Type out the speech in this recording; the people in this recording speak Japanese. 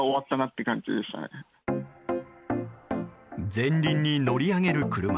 前輪に乗り上げる車。